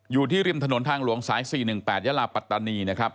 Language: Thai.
อยู่ที่ริมถนนทางหลวงสาย๔๑๘ยาลาปัตตานีนะครับ